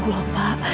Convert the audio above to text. ya allah pak